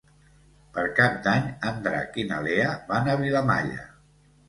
Per Cap d'Any en Drac i na Lea van a Vilamalla.